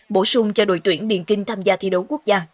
bổ sung cho đội tuyển điền kinh tham gia thi đấu quốc gia